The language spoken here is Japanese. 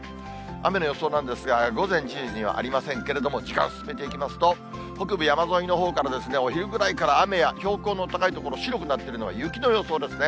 雨の予想なんですが、午前１０時にはありませんけれども、時間進めていきますと、北部山沿いのほうからお昼ぐらいから雨や、標高の高い所白くなっているのは雪の予想ですね。